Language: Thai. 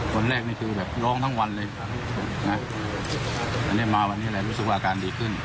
วันแรกนี่คือแบบร้องทั้งวันเลยนะวันนี้มาวันนี้แหละรู้สึกว่าอาการดีขึ้น